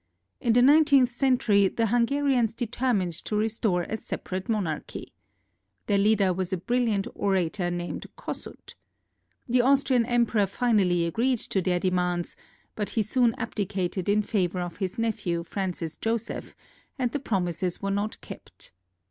In the nineteenth century, the Hungarians determined to re store a separate monarchy. Their leader was a brilliant ora tor named Kossuth. The Austrian Emperor finally agreed to their demands ; but he soon abdicated in favor of his nephew Francis Joseph, and the promises were not kept.